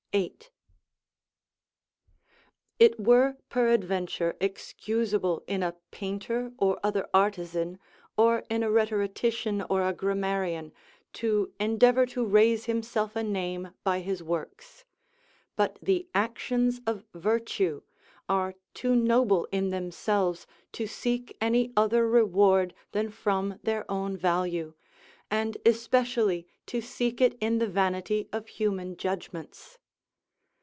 8.] It were, peradventure, excusable in a painter or other artisan, or in a rhetorician or a grammarian, to endeavour to raise himself a name by his works; but the actions of virtue are too noble in themselves to seek any other reward than from their own value, and especially to seek it in the vanity of human judgments.